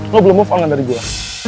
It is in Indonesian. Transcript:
lo belum move on dari gue